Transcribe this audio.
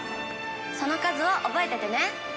その数を覚えててね。